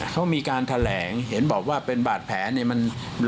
เขามีการแถลงเห็นบอกว่าเป็นบาดแผลเนี่ยมัน